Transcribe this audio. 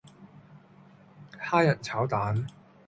蝦仁炒蛋